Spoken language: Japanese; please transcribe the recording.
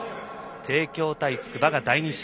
帝京対筑波が第２試合。